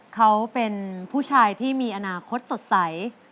เขาเป็นผู้ชายที่มีอนาคตสดใส